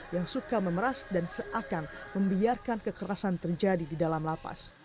yang suka memeras dan seakan membiarkan kekerasan terjadi di dalam lapas